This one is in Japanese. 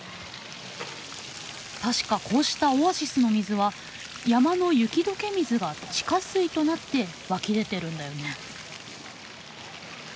確かこうしたオアシスの水は山の雪解け水が地下水となって湧き出てるんだよね。